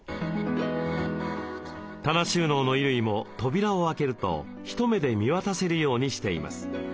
棚収納の衣類も扉を開けると一目で見渡せるようにしています。